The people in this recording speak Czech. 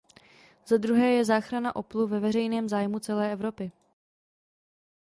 Zadruhé je záchrana Opelu ve veřejném zájmu celé Evropy.